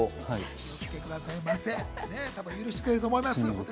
許してくれると思います。